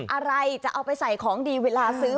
อะไรจะเอาไปใส่ของดีเวลาซื้อ